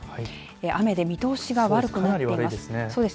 雨で見通しが悪くなっています。